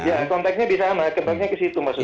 ya konteksnya di sana konteksnya ke situ mas agus